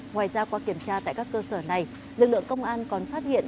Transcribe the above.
ngoài ra qua kiểm tra tại các cơ sở này lực lượng công an còn phát hiện